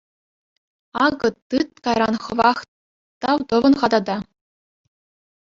Акӑ, тыт, кайран хӑвах тав тӑвӑн-ха та.